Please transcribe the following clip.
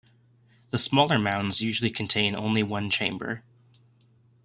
The smaller mounds usually contain only one chamber.